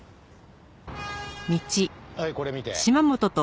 はいこれ見て。